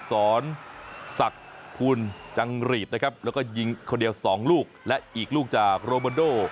สอนศักดิ์ภูลจังหรีดนะครับแล้วก็ยิงคนเดียวสองลูกและอีกลูกจากโรมันโด